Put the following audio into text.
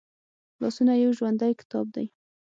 لاسونه یو ژوندی کتاب دی